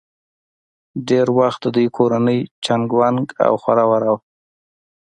ډېر وخت د دوي کورنۍ چنګ ونګ او خوره وره وه